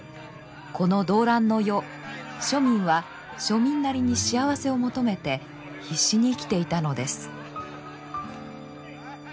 この動乱の世庶民は庶民なりに幸せを求めて必死に生きていたのです。